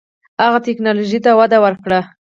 هغه ټیکنالوژۍ ته وده ورکړه.